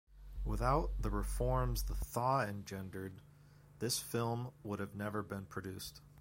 Without the reforms the "Thaw" engendered, this film would have never been produced.